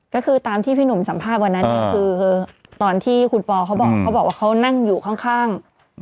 ก็คือตามที่พี่หนุ่มสัมภาษณ์วันนั้นเนี่ยคือตอนที่คุณปอเขาบอกเขาบอกว่าเขานั่งอยู่ข้าง